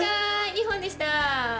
２本でした。